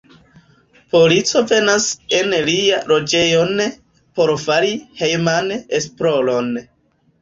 Polico venas en lian loĝejon por fari hejman esploron.